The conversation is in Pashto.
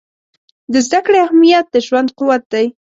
د زده کړې اهمیت د ژوند قوت دی.